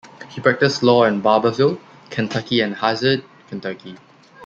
He practiced law in Barbourville, Kentucky and Hazard, Kentucky.